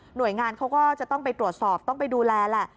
โดยงานเขาก็จะต้องไปตรวจสอบต้องไปดูแลแหละ